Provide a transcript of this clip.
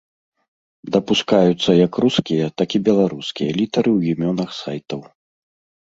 Дапускаюцца як рускія, так і беларускія літары ў імёнах сайтаў.